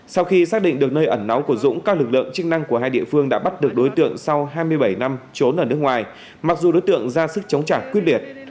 sau khi xác định được nơi ẩn nóng của dũng các lực lượng chức năng của hai địa phương đã bắt được đối tượng sau hai mươi bảy năm trốn ở nước ngoài mặc dù đối tượng ra sức chống trả quyết liệt